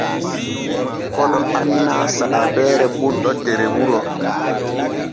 Koɗo annaa saabeere bunɗo der wuro.